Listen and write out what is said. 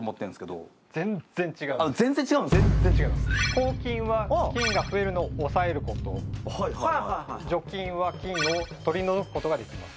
抗菌は菌が増えるのを抑えること除菌は菌を取り除くことができます